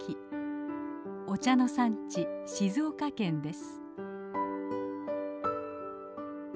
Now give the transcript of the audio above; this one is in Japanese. お茶の産地静岡県です。